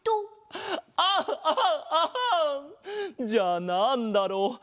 じゃあなんだろう？